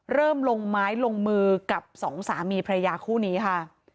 ลงไม้ลงมือกับสองสามีพระยาคู่นี้ค่ะ